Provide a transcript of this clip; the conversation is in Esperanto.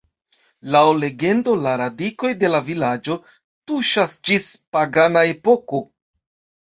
Laŭ legendo la radikoj de la vilaĝo tuŝas ĝis pagana epoko.